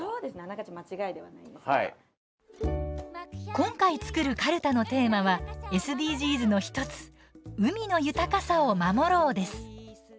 今回作る、かるたのテーマはＳＤＧｓの１つ「海の豊かさを守ろう」です。